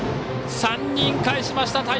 ３人かえしました！